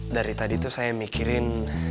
dari tadi tuh saya mikirin